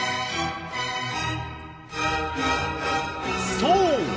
そう！